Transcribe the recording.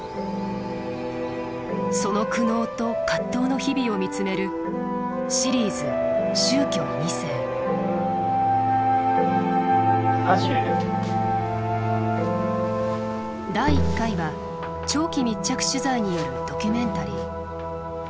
その苦悩と葛藤の日々を見つめる第１回は長期密着取材によるドキュメンタリー。